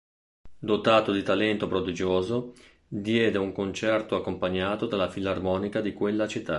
Dotato di talento prodigioso, diede un concerto accompagnato dalla Filarmonica di quella città.